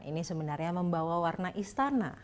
ini sebenarnya membawa warna istana